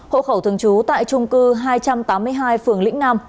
hộ khẩu thường trú tại trung cư hai trăm tám mươi hai phường lĩnh nam